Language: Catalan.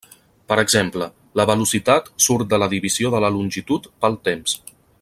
Per exemple, la velocitat surt de la divisió de la longitud pel temps.